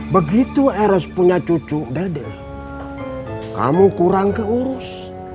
begitu eros punya cucu dede kamu kurang keurus